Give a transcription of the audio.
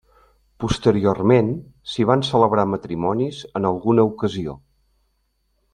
Posteriorment s'hi van celebrar matrimonis en alguna ocasió.